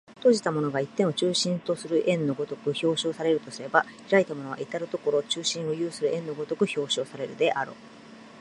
閉じたものが一点を中心とする円の如く表象されるとすれば、開いたものは到る処中心を有する円の如く表象されるであろう。